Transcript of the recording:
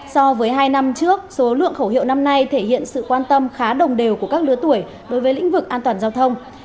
so với hai năm trước số lượng khẩu hiệu năm nay thể hiện sự quan tâm khá đồng đều của các lứa tuổi đối với lĩnh vực an toàn giao thông